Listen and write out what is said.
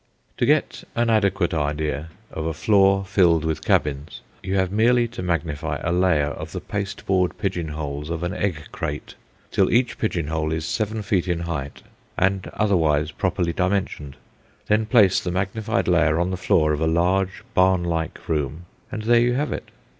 To get an adequate idea of a floor filled with cabins, you have merely to magnify a layer of the pasteboard pigeon holes of an egg crate till each pigeon hole is seven feet in height and otherwise properly dimensioned, then place the magnified layer on the floor of a large, barnlike room, and there you have it.